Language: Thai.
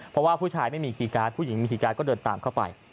เพราะว่าผู้ชายไม่มีคีย์การ์ดผู้หญิงมีคีย์การ์ดก็เดินตามเข้าไป